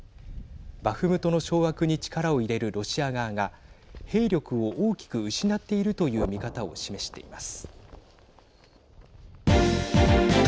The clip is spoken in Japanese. バフムトの掌握に力を入れるロシア側が兵力を大きく失っているという見方を示しています。